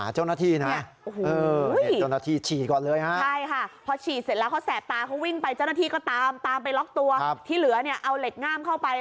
ช่างป้าแสดตาแล้วตอนนั้น